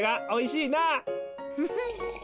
フフッ。